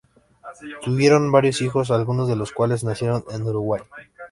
Tuvieron varios hijos, algunos de los cuales nacieron en Uruguay.